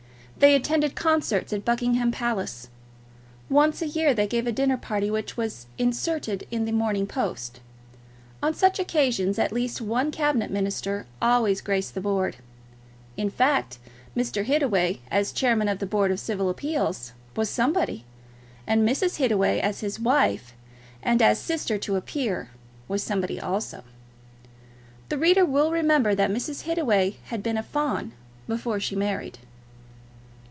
They attended concerts at Buckingham Palace. Once a year they gave a dinner party which was inserted in the "Morning Post." On such occasions at least one Cabinet Minister always graced the board. In fact, Mr. Hittaway, as Chairman of the Board of Civil Appeals, was somebody; and Mrs. Hittaway, as his wife and as sister to a peer, was somebody also. The reader will remember that Mrs. Hittaway had been a Fawn before she married.